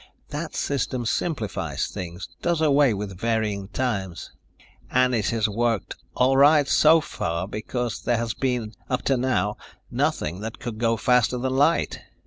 That system simplifies things. Does away with varying times. And it has worked all right so far because there has been, up to now, nothing that could go faster than light.